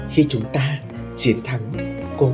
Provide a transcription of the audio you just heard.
khi chúng ta chiến thắng covid một mươi chín